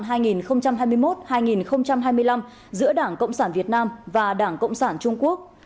kế hoạch hợp tác đào tạo cán bộ giai đoạn hai nghìn hai mươi một hai nghìn hai mươi năm giữa đảng cộng sản việt nam và đảng cộng sản trung quốc